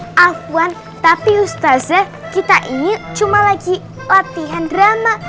eh afwan tapi ustazah kita ini cuma lagi latihan drama